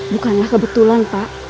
bukanlah kebetulan pak